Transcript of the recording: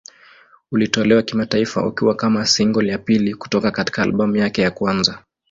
Ulitolewa kimataifa ukiwa kama single ya pili kutoka katika albamu yake ya kwanza.